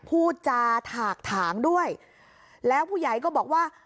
พูดจาถากถางด้วยแล้วผู้ใหญ่ก็บอกว่า